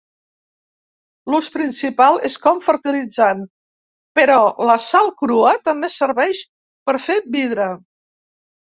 L’ús principal és com fertilitzant però la sal crua també serveix per fer vidre.